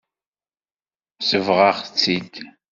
Sebɣeɣ-tt-id.